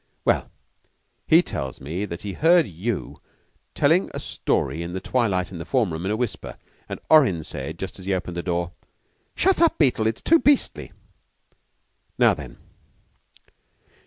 "Well, he tells me that he heard you telling a story in the twilight in the form room, in a whisper. And Orrin said, just as he opened the door, 'Shut up, Beetle; it's too beastly.' Now then?"